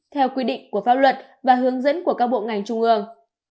theo quy định của pháp luật và hướng dẫn của các bộ ngành trung ương